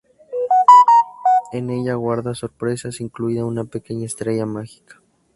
En ella guarda sorpresas, incluida una pequeña estrella mágica.